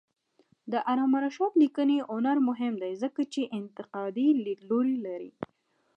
د علامه رشاد لیکنی هنر مهم دی ځکه چې انتقادي لیدلوری لري.